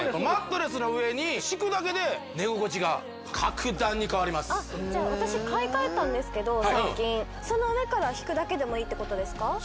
マットレスの上に敷くだけで寝心地が格段に変わりますあっじゃあ私買い替えたんですけど最近その上から敷くだけでもいいってことですか？